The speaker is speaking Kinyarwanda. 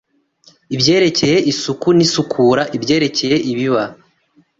ibyerekeye isuku n’isukura, ibyerekeye ibiba